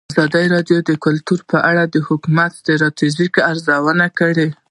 ازادي راډیو د کلتور په اړه د حکومتي ستراتیژۍ ارزونه کړې.